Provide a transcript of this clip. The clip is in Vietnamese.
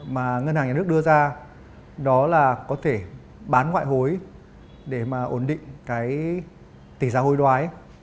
mà ngân hàng nhà nước đưa ra đó là có thể bán ngoại hối để mà ổn định cái tỷ giá hôi đoái